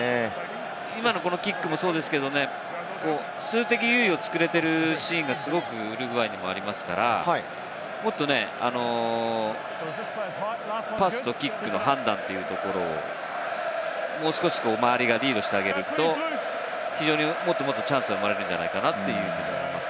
今のキックもそうですけれども、数的優位を作れているシーンがすごくウルグアイにはありますから、もっとパスとキックの判断を周りがリードしてあげると非常にもっとチャンスが生まれてくるんじゃないかなと思います。